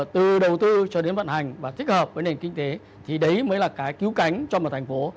từ đầu tư cho đến vận hành và thích hợp với nền kinh tế thì đấy mới là cái cứu cánh cho một thành phố